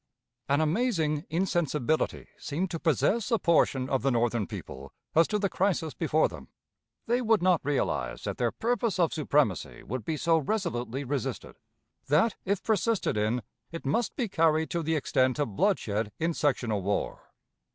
An amazing insensibility seemed to possess a portion of the Northern people as to the crisis before them. They would not realize that their purpose of supremacy would be so resolutely resisted; that, if persisted in, it must be carried to the extent of bloodshed in sectional war.